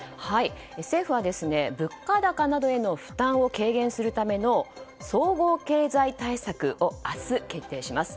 政府は物価高などへの負担を軽減するための総合経済対策を明日、決定します。